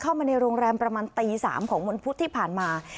เข้ามาในโรงแรมประมาณตี๓ของวันพุธที่ผ่านมา